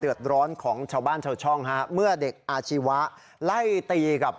เดือดร้อนของชาวบ้านชาวช่องฮะเมื่อเด็กอาชีวะไล่ตีกับ